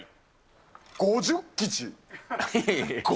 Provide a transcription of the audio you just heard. ５０吉。